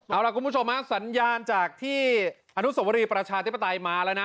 เอาล่ะคุณผู้ชมสัญญาณจากที่อนุสวรีประชาธิปไตยมาแล้วนะ